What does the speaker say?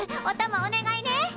おたまお願いね。